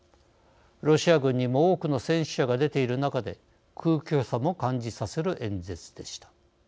ロシア軍にも多くの戦死者が出ている中で空虚さも感じさせる演説でした。